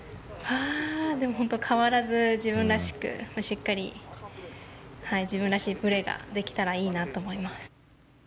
本当、変わらず自分らしくしっかり自分らしいプレーができたらいいなと思います。